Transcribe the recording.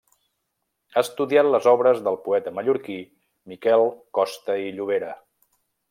Ha estudiat les obres del poeta mallorquí, Miquel Costa i Llobera.